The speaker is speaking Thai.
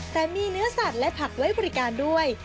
แต่มีเนื้อสัตว์และผักไว้บริการด้วย